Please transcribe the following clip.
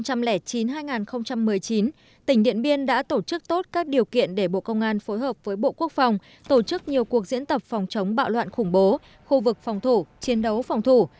năm hai nghìn chín hai nghìn một mươi chín tỉnh điện biên đã tổ chức tốt các điều kiện để bộ công an phối hợp với bộ quốc phòng tổ chức nhiều cuộc diễn tập phòng chống bạo loạn khủng bố khu vực phòng thủ chiến đấu phòng thủ